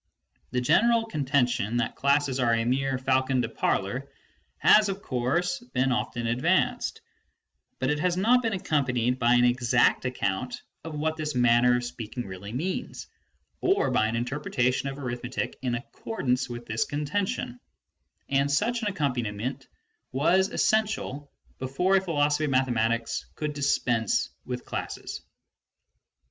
The general contention that classes are a mere faron de parler has, of course, been often advanced, but it has not been accompanied by an exact account of what this manner of speaking really means, or by an interpretation of arithmetic in ac cordance with this contention ; and such an accompaniment was essential before a philosophy of mathematics could dispense with classes.